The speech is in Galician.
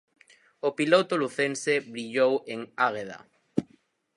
O piloto lucense brillou en Águeda.